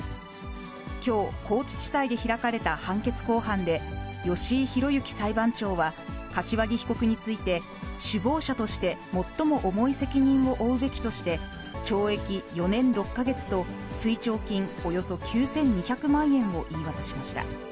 きょう、高知地裁で開かれた判決公判で、吉井広幸裁判長は、柏木被告について、首謀者として最も重い責任を負うべきとして、懲役４年６か月と追徴金およそ９２００万円を言い渡しました。